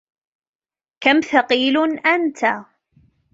كم ثقيل أنت.